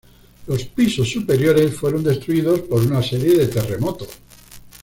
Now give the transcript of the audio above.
Los pisos superiores fueron destruidos por una serie de terremotos.